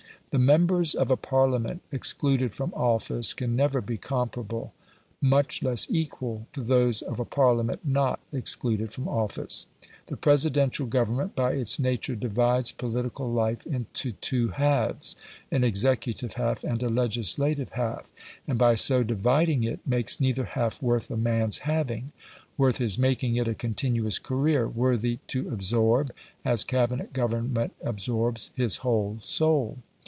The members of a Parliament excluded from office can never be comparable, much less equal, to those of a Parliament not excluded from office. The Presidential Government, by its nature, divides political life into two halves, an executive half and a legislative half; and, by so dividing it, makes neither half worth a man's having worth his making it a continuous career worthy to absorb, as Cabinet government absorbs, his whole soul.